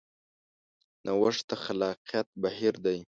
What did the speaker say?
نوښت د خلاقیت بهیر دی.